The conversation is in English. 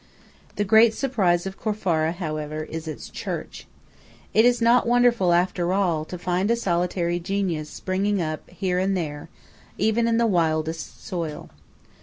The great surprise of Corfara, however, is its church. It is not wonderful, after all, to find a solitary genius springing up here and there, in even the wildest soil.